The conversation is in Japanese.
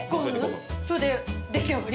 それで出来上がり？